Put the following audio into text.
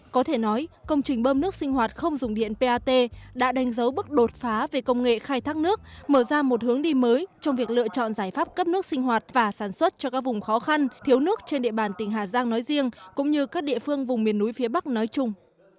có thể nói công trình bơm nước sinh hoạt không dùng điện pat đã đánh dấu bước đột phá về công nghệ khai thác nước mở ra một hướng đi mới trong việc lựa chọn giải pháp cấp nước sinh hoạt và sản xuất cho các vùng khó khăn thiếu nước trên địa bàn tỉnh hà giang nói riêng cũng như các địa phương vùng miền núi phía bắc nói chung